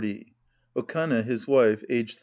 Okane, his wife, aged 36.